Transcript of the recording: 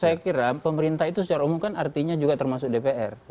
saya kira pemerintah itu secara umum kan artinya juga termasuk dpr